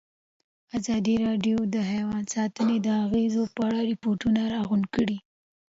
ازادي راډیو د حیوان ساتنه د اغېزو په اړه ریپوټونه راغونډ کړي.